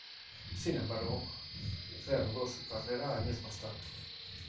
Sin embargo, reanudó su carrera años más tarde.